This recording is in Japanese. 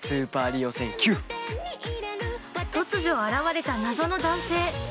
◆突如あらわれた謎の男性。